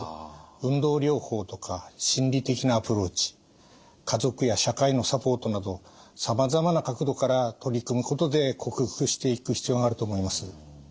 運動療法とか心理的なアプローチ家族や社会のサポートなどさまざまな角度から取り組むことで克服していく必要があると思います。